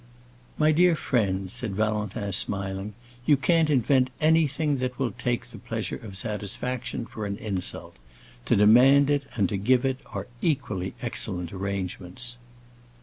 "My dear friend," said Valentin, smiling, "you can't invent anything that will take the place of satisfaction for an insult. To demand it and to give it are equally excellent arrangements."